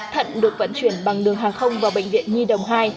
thận được vận chuyển bằng đường hàng không vào bệnh viện nhi đồng hai